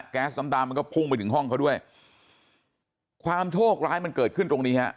แก๊สน้ำตามันก็พุ่งไปถึงห้องเขาด้วยความโชคร้ายมันเกิดขึ้นตรงนี้ฮะ